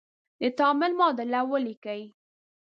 د تعامل معادله یې ولیکئ.